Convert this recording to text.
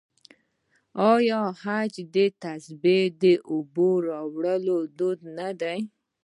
آیا د حج نه د تسبیح او اوبو راوړل دود نه دی؟